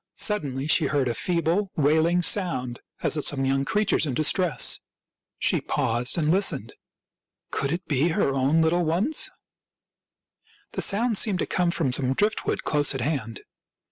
Suddenly she heard a feeble, wailing sound, as of some young creature in distress. She paused and listened. Could it be the cry of her own little ones ? 1 84 THIRTY MORE FAMOUS STORIES The sound seemed to come from some driftwood close at hand.